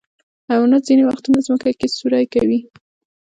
حیوانات ځینې وختونه ځمکه کې سوری کوي.